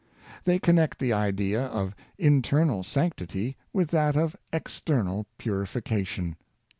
They con nect the idea of internal sanctity with that of external purification.